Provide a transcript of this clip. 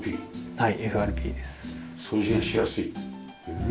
はい。